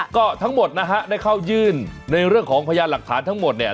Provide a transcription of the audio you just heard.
ก็ทั้งหมดนะฮะได้เข้ายื่นในเรื่องของพยานหลักฐานทั้งหมดเนี่ย